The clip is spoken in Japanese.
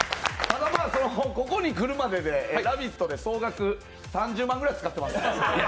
ただ、ここに来るまでで「ラヴィット！」で総額３０万ぐらい使ってます。